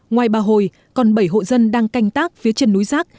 ngoài bà hồi còn bảy hộ dân đang canh tác phía trên núi rác